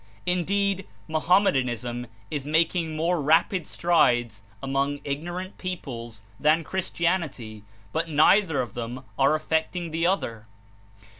In deed, Mohammedanism Is making more rapid strides among Ignorant peoples than Christianity, but neither of them are affecting the other.